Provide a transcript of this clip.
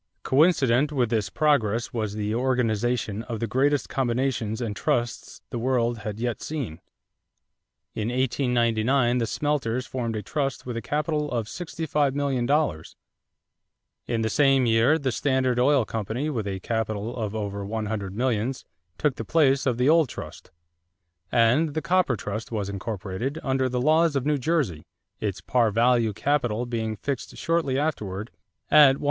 Coincident with this progress was the organization of the greatest combinations and trusts the world had yet seen. In 1899 the smelters formed a trust with a capital of $65,000,000; in the same year the Standard Oil Company with a capital of over one hundred millions took the place of the old trust; and the Copper Trust was incorporated under the laws of New Jersey, its par value capital being fixed shortly afterward at $175,000,000.